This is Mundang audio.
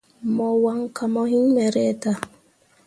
Mo wan kah mo hiŋ me reta.